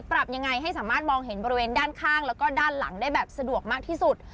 ปรับยังไงให้สามารถมองเห็นบริเวณด้านข้างแล้วก็ด้านหลังได้แบบสะดวกมากที่สุด